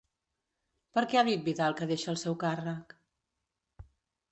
Per què ha dit Vidal que deixa el seu càrrec?